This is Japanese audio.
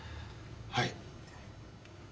はい。